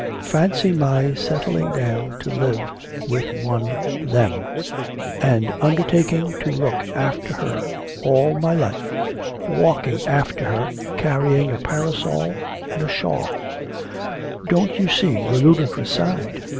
Fancy my settling down to live with one them, and undertaking to look after her all my life; walking after her carrying a parasol and a shawl. Don't you see the ludicrous side?